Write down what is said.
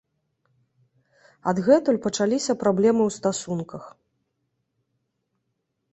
Адгэтуль пачаліся праблемы ў стасунках.